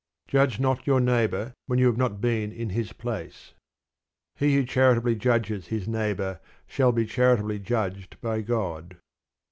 Judge not your neighbour when you have not been in his place. He who charitably judges his neighbour shall be charitably judged by God.